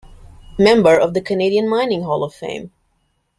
Member of the Canadian Mining Hall of Fame.